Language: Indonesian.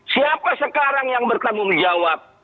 siapa sekarang yang bertanggung jawab